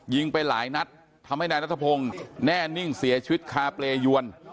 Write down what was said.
ไปหลายนัดทำให้นายนัทพงศ์แน่นิ่งเสียชีวิตคาเปรยวน